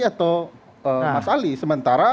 atau mas ali sementara